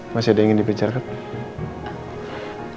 paling banyak lagi lu berharap dapati